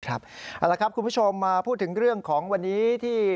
เอาละครับคุณผู้ชมมาพูดถึงเรื่องของวันนี้ที่